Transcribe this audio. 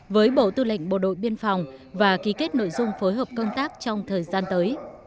với bộ tư lệnh bộ đội biên phòng và ký kết nội dung phối hợp công tác trong thời gian tới